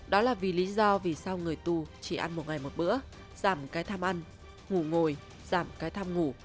đó là vì lý do vì sao người tù chỉ ăn một ngày một bữa giảm cái tham ăn ngủ ngồi giảm cái tham ngủ